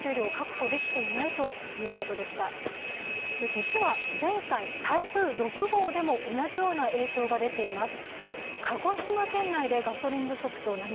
実は前回、台風６号でも同じような影響が出ています。